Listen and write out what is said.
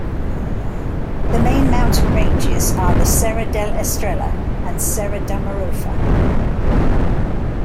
The main mountain ranges are the Serra da Estrela and Serra da Marofa.